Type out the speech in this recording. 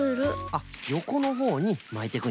あっよこのほうにまいていくんじゃな。